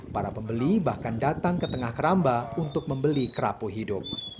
para pembeli bahkan datang ke tengah keramba untuk membeli kerapu hidup